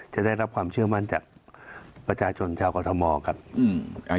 จะได้รับความเชื่อมั่นจากประชาชนชาวกรทมครับอืม